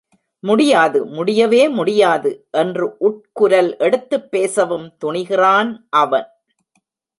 முடியாது முடியவே முடியாது! என்று உட்குரல் எடுத்துப் பேசவும் துணிகிறான் அவன்.